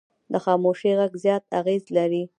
د خاموشي غږ زیات اغېز لري